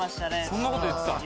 そんなこと言ってたの？